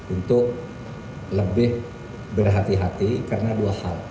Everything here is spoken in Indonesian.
untuk lebih berhati hati karena dua hal